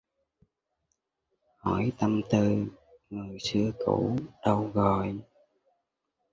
Hỏi tâm tư người xưa cũ đâu rồi?